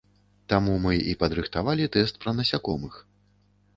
Таму мы і падрыхтавалі тэст пра насякомых.